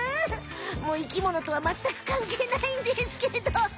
もう生きものとはまったくかんけいないんですけど。